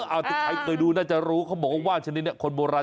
เอ้าแต่ใครเคยดูน่าจะรู้ว่าว่านชนิดนี้คนโบราณ